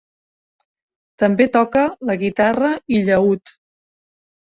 També toca la guitarra i llaüt.